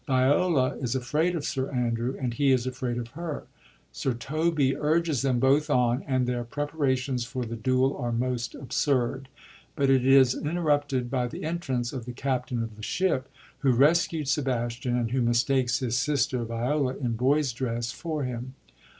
Viola is afraid of Sir Andrew, and he is afraid of her. Sir Toby urges them both on, and their preparations for the duel are most absurd; but it is interrupted by the entrance of the captain of the ship who rescued Sebastian, and who mistakes his sister Viola in boy's dress for him.